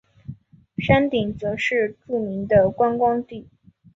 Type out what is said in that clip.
山顶则是著名的观光地。